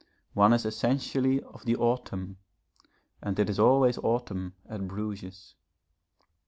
One is essentially of the autumn, and it is always autumn at Bruges.